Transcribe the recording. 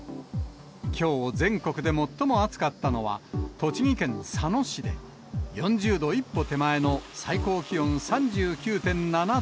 きょう、全国で最も暑かったのは、栃木県佐野市で、４０度一歩手前の最高気温３９．７度。